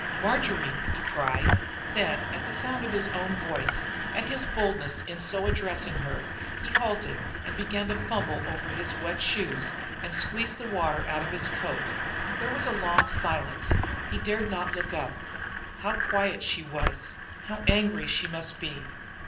"Marjory " he cried. Then at the sound of his voice, at his boldness in so addressing her, he halted and began to fumble over his wet shoes and squeeze the water out of his coat. There was a long silence. He dared not look up. How quiet she was! How angry she must be!